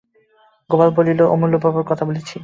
গোপাল বলিল, অমূল্যবাবুর কথা বলছি।